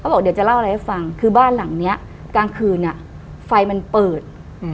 บอกเดี๋ยวจะเล่าอะไรให้ฟังคือบ้านหลังเนี้ยกลางคืนอ่ะไฟมันเปิด